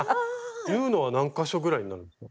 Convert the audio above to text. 縫うのは何か所ぐらいになるんですか？